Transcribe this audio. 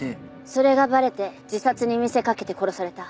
それがバレて自殺に見せかけて殺された。